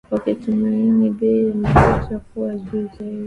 wakitumaini bei ya mafuta kuwa juu zaidi